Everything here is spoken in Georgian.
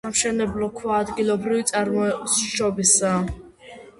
სამშენებლო ქვა ადგილობრივი წარმოშობისაა.